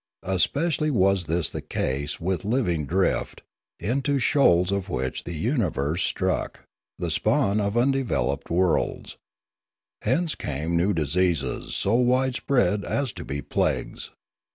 Es pecially was this the case with living drift, into shoals of which the universe struck, the spawn of undeveloped worlds. Hence came new diseases so widespread as to be plagues.